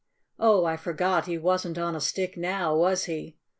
Oh, I forgot! He wasn't on a stick now, was he?